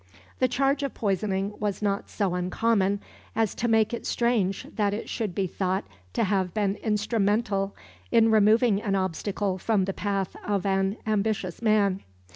The charge of poisoning was not so uncommon as to make it strange that it should be thought to have been instrumental in removing an obstacle from the path of an ambitious man.